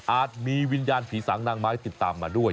มีวิญญาณผีสางนางไม้ติดตามมาด้วย